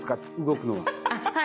動くのは。